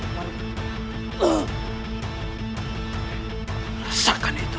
belanya negara hidup